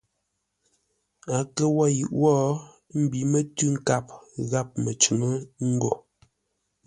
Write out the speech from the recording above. A kə wo yʉʼ wó ḿbí mətʉ̌ nkâp gháp məcʉŋʉ́ ngô.